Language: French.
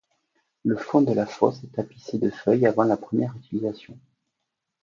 Le fond de la fosse est tapissé de feuilles avant la première utilisation.